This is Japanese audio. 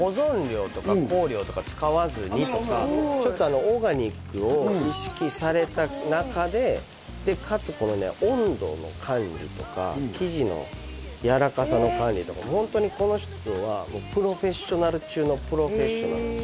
保存料とか香料とか使わずにとかちょっとオーガニックを意識された中でかつこのね温度の管理とか生地のやわらかさの管理とかホントにこの人はプロフェッショナル中のプロフェッショナルなんですよ